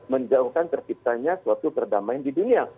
menjauhkan terciptanya suatu perdamaian di dunia